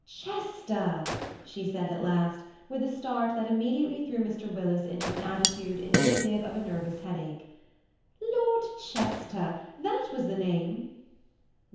"Chester!" she said at last, with a start that immediately threw Mr. Willis into an attitude indicative of a nervous headache, "Lord Chester, that was the name!"